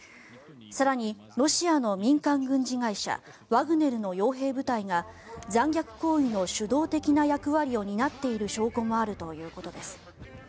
更に、ロシアの民間軍事会社ワグネルの傭兵部隊が残虐行為の主導的な役割を担っている証拠もあるということです。